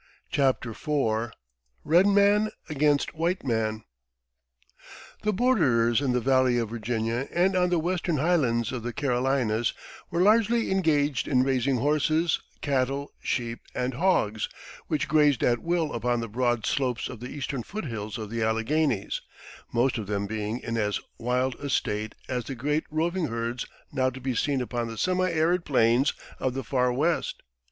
CHAPTER IV RED MAN AGAINST WHITE MAN The borderers in the Valley of Virginia and on the western highlands of the Carolinas were largely engaged in raising horses, cattle, sheep, and hogs, which grazed at will upon the broad slopes of the eastern foot hills of the Alleghanies, most of them being in as wild a state as the great roving herds now to be seen upon the semi arid plains of the far West.